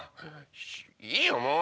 いいよもう！